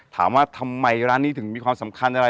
ถามว่าทำไมร้านนี้ถึงมีความสำคัญอะไร